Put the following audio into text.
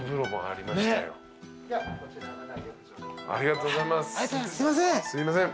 ありがとうございます。